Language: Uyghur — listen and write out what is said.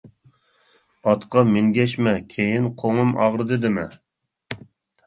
ئاتقا مىنگەشمە، كېيىن قوڭۇم ئاغرىدى دېمە.